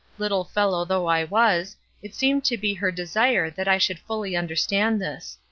Little fellow though I was, it seemed to be her desire that I should fully understand this.